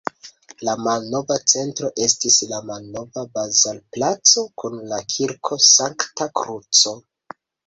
La malnova centro estis la Malnova bazarplaco kun la Kirko Sankta Kruco.